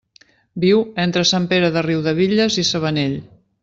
Viu entre Sant Pere de Riudebitlles i Sabanell.